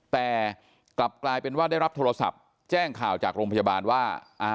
แต่กลับกลายเป็นว่าได้รับโทรศัพท์แจ้งข่าวจากโรงพยาบาลว่า